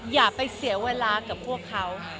อย่าไปเสียเวลากับพวกเขา